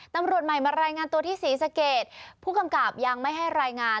ตำรวจใหม่มารายงานตัวที่ศรีสะเกดผู้กำกับยังไม่ให้รายงาน